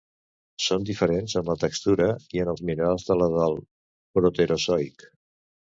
Són diferents en la textura i en els minerals de la del Proterozoic.